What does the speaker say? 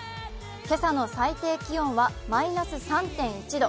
今朝の最低気温はマイナス３．１度。